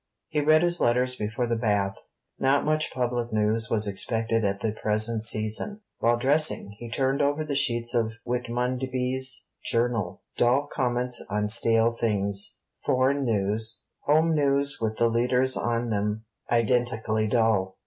He read his letters before the bath. Not much public news was expected at the present season. While dressing, he turned over the sheets of Whitmonby's journal. Dull comments on stale things. Foreign news. Home news, with the leaders on them, identically dull.